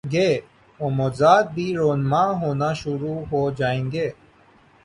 گے اور معجزات بھی رونما ہونا شرو ع ہو جائیں گے۔